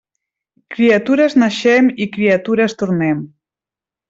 Criatures naixem i criatures tornem.